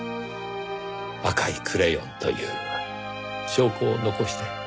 赤いクレヨンという証拠を残して。